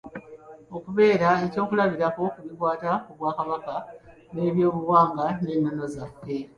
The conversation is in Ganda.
Okubeera eky'okulabirako ku bikwata ku bwakabaka n'eby'obuwangwa n'ennono zaffe.